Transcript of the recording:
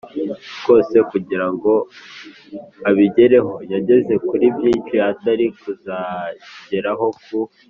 kose kugira ngo abigereho. Yageze kuri byinshi atari kuzageraho ku